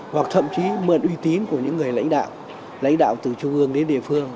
hoặc thậm chí mượn uy tín của những người lãnh đạo lãnh đạo từ trung ương đến địa phương